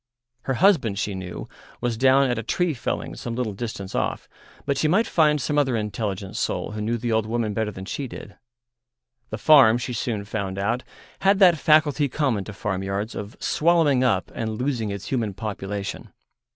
Her husband, she knew, was down at a tree felling some little distance off, but she might find some other intelligent soul who knew the old woman better than she did. The farm, she soon found out, had that faculty common to farmyards of swallowing up and losing its human population.